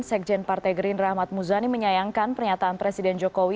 sekjen partai gerindra ahmad muzani menyayangkan pernyataan presiden jokowi